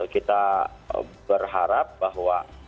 kita berharap bahwa